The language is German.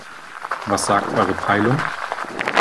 Was sagt eure Peilung?